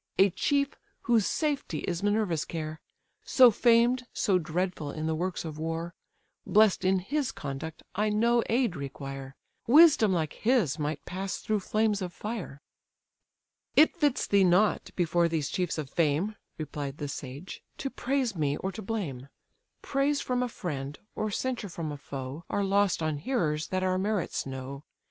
A chief, whose safety is Minerva's care; So famed, so dreadful, in the works of war: Bless'd in his conduct, I no aid require; Wisdom like his might pass through flames of fire." "It fits thee not, before these chiefs of fame, (Replied the sage,) to praise me, or to blame: Praise from a friend, or censure from a foe, Are lost on hearers that our merits know.